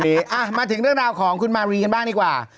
มาถึงเรื่องราวของคุณมารีกันบ้างดีกว่า